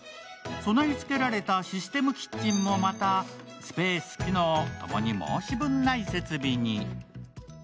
備えつけられたシステムキッチンもまたスペース、機能、共に申し分ない設備に。